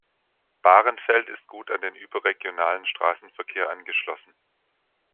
Bahrenfeld ist gut an den überregionalen Straßenverkehr angeschlossen.